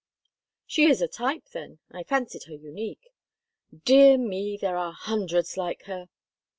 "She is a type, then. I fancied her unique." "Dear me! There are hundreds like her."